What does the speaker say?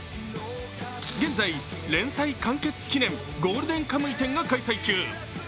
現在、「連載完結記念ゴールデンカムイ展」が開催中。